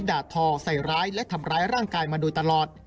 ด่าทอใส่ร้ายและทำร้ายร่างกายมาโดยตลอด